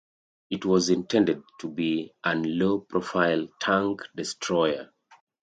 It was intended to be an low profile tank destroyer.